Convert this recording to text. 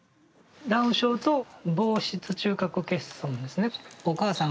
・ダウン症と房室中核欠損ですね。